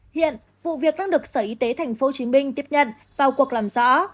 hiện vụ việc đang được sở y tế tp hcm tiếp nhận vào cuộc làm rõ